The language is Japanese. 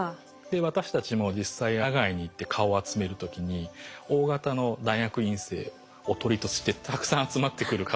私たちも実際野外に行って蚊を集める時にＯ型の大学院生おとりとしてたくさん集まってくる蚊をですね